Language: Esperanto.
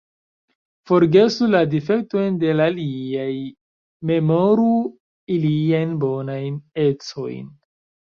Forgesu la difektojn de l' aliaj, memoru iliajn bonajn ecojn.